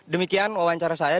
demikian wawancara saya